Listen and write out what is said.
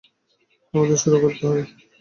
আমাদের শুরু করতে হবে।